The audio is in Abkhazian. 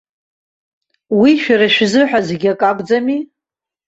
Уи шәара шәзыҳәа зегь акакәӡами?